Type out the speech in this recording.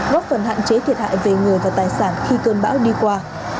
góp phần hạn chế thiệt hại về người và tài sản khi cơn bão đi qua